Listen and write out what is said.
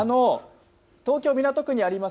東京・港区にあります